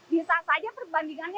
berapa kos produksinya